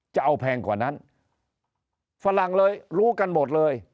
แพงกว่านั้นฝรั่งเลยรู้กันหมดเลย